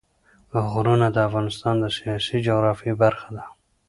غرونه د افغانستان د سیاسي جغرافیه برخه ده.